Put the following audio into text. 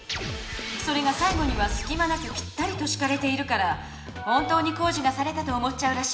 それがさい後にはすきまなくぴったりとしかれているから本当に工事がされたと思っちゃうらしいのよね。